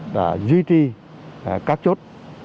đã duy trì các chốt